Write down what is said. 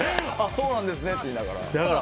そうなんですねって言いながら。